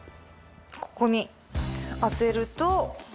ここに当てると。